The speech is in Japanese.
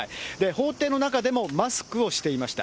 法廷の中でもマスクをしていました。